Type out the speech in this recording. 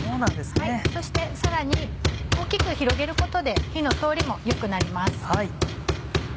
そしてさらに大きく広げることで火の通りもよくなります。